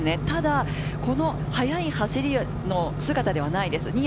ただ速い走りの姿ではないです。